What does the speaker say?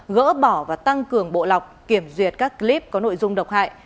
gỡ bỏ và tăng cường bộ lọc kiểm duyệt các clip có nội dung độc hại